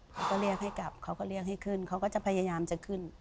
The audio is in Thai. เขาก็เรียกให้กลับเขาก็เรียกให้ขึ้นเขาก็จะพยายามจะขึ้น